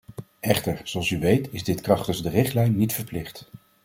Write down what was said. Echter, zoals u weet is dit krachtens de richtlijn niet verplicht.